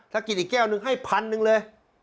ถ้ากินอีกแก้วนึงให้๑๐๐๐บาทหนึ่งเลย